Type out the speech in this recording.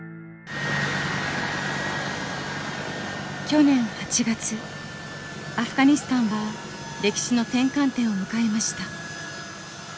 去年８月アフガニスタンは歴史の転換点を迎えました。